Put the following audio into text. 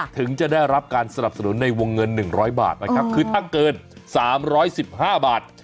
ถึงจะได้รับการสรรพสรุนในวงเงิน๑๐๐บาทคือทั้งเกิน๓๑๕บาท